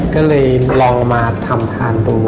ก็เลยลองมาทำทานดู